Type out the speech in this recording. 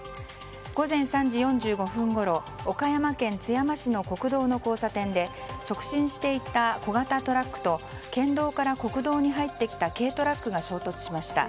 午前３時４５分ごろ岡山県津山市の国道の交差点で直進していた小型トラックと県道から国道に入ってきた軽トラックが衝突しました。